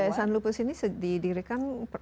yayasan lupus ini didirikan kapan persis